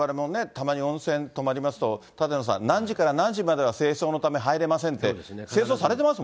たまに温泉泊まりますと、舘野さん、何時から何時までは清掃のため入れませんと、清掃されてます